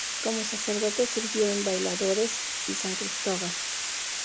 Como sacerdote sirvió en Bailadores y San Cristóbal.